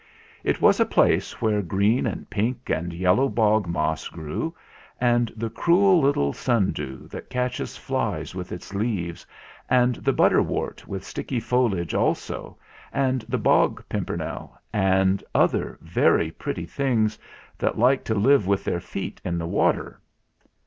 It was a place where green and pink and yellow bog moss grew, and the cruel little sundew, that catches flies with its leaves, and the butterwort with sticky foliage also, and the bog pimpernel, and other very 172 THE FLINT HEART pretty things that like to live with their feet in the water.